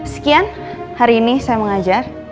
sekian hari ini saya mengajar